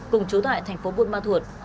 cùng chú tại tp bôn ma thuật